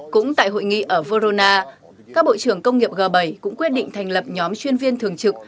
cũng tại hội nghị ở verona các bộ trưởng công nghiệp g bảy cũng quyết định thành lập nhóm chuyên viên thường trực